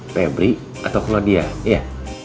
febri atau claudia iya